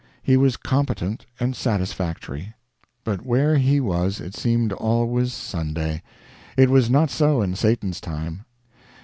He was competent and satisfactory. But where he was, it seemed always Sunday. It was not so in Satan's time.